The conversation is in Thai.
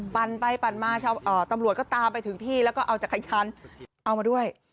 ปั่นไปปั่นมาตำรวจก็ตามไปถึงที่แล้วก็เอาจักรยานเอามาด้วย